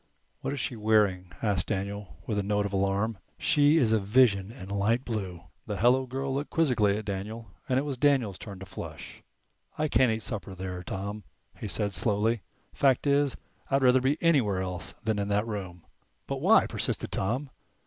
"What is she wearing?" asked Daniel, with a note of alarm. "She's a vision in light blue." The hello girl looked quizzically at Daniel and it was Daniel's turn to flush. "I can't eat supper there, Tom," he said, slowly. "Fact is, I'd rather be anywhere else than in that room." "But why?" persisted Tom.